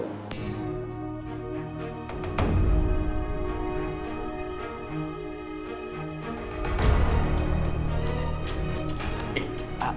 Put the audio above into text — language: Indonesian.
ini semua berkat kau